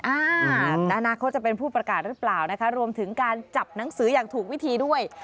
อ่าแต่อนาคตจะเป็นผู้ประกาศหรือเปล่านะคะรวมถึงการจับหนังสืออย่างถูกวิธีด้วย